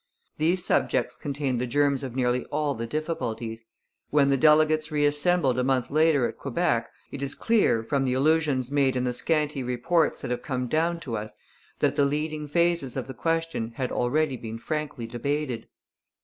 These subjects contained the germs of nearly all the difficulties. When the delegates reassembled a month later at Quebec, it is clear, from the allusions made in the scanty reports that have come down to us, that the leading phases of the question had already been frankly debated.